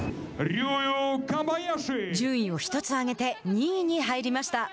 順位を１つ上げて２位に入りました。